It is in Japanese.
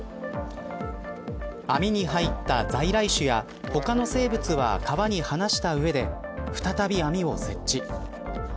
網に入った在来種や他の生物は川に放した上で再び網を設置。